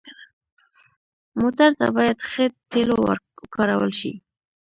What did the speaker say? موټر ته باید ښه تیلو وکارول شي.